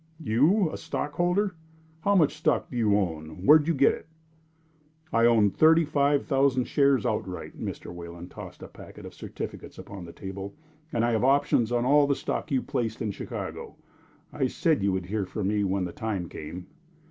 "You a stockholder? How much stock do you own? Where did you get it?" "I own thirty five thousand shares outright." Mr. Wayland tossed a packet of certificates upon the table. "And I have options on all the stock you placed in Chicago. I said you would hear from me when the time came."